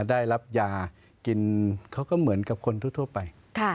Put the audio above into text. ได้รับยากินเขาก็เหมือนกับคนทั่วไป